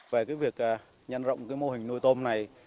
về cái việc nhân rộng cái mô hình nuôi tôm này